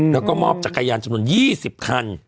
แล้วก็มอบจักรยานจำนวน๒๐คัน